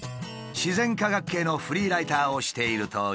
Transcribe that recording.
自然科学系のフリーライターをしているといいます。